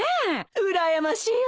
うらやましいわ。